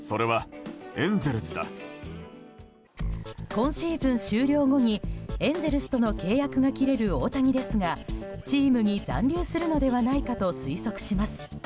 今シーズン終了後にエンゼルスとの契約が切れる大谷ですが、チームに残留するのではないかと推測します。